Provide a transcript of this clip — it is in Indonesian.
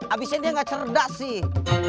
abisnya dia nggak cerdas sih